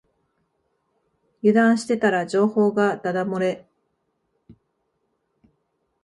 油断してたら情報がだだ漏れ